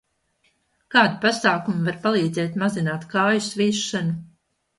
Kādi pasākumi var palīdzēt mazināt kāju svīšanu?